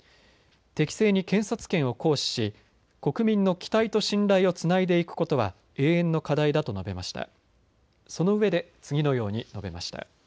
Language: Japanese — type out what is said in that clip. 適正に検察権を行使し国民の期待と信頼をつないでいくことは永遠の課題だと述べました。